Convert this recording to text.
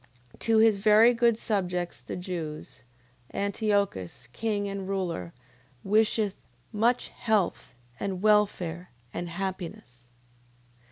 To his very good subjects the Jews, Antiochus, king and ruler, wisheth much health, and welfare, and happiness.